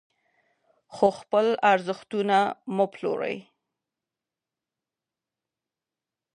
خو خپل ارزښتونه مه پلورئ.